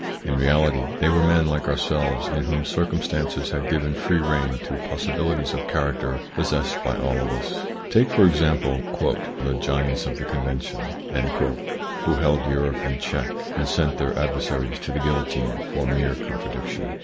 In reality they were men like our selves, in whom circumstances had given free rein to possibilities of character possessed by all of us. Take, for example, the " giants of the Convention " who held Europe in check, and sent their adversaries to the guillotine for a mere contradiction.